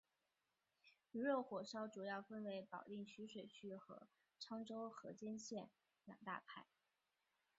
驴肉火烧主要分为保定徐水区和沧州河间县两大派。